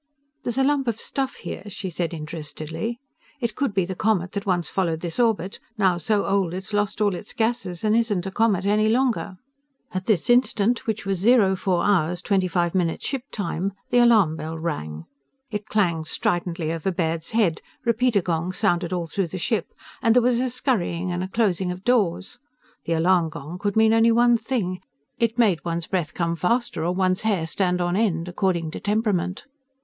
"There's a lump of stuff here," she said interestedly. "It could be the comet that once followed this orbit, now so old it's lost all its gases and isn't a comet any longer." At this instant, which was 04 hours 25 minutes ship time, the alarm bell rang. It clanged stridently over Baird's head, repeater gongs sounded all through the ship, and there was a scurrying and a closing of doors. The alarm gong could mean only one thing. It made one's breath come faster or one's hair stand on end, according to temperament.